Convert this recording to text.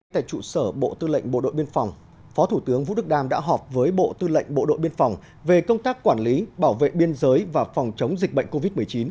tại trụ sở bộ tư lệnh bộ đội biên phòng phó thủ tướng vũ đức đam đã họp với bộ tư lệnh bộ đội biên phòng về công tác quản lý bảo vệ biên giới và phòng chống dịch bệnh covid một mươi chín